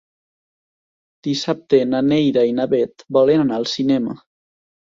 Dissabte na Neida i na Bet volen anar al cinema.